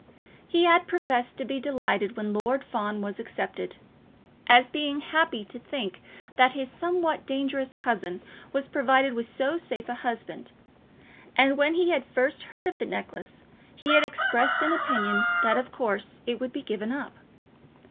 He had professed to be delighted when Lord Fawn was accepted, as being happy to think that his somewhat dangerous cousin was provided with so safe a husband; and, when he had first heard of the necklace, he had expressed an opinion that of course it would be given up.